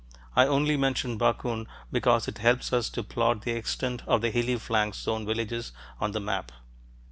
I only mention Bakun because it helps us to plot the extent of the hilly flanks zone villages on the map.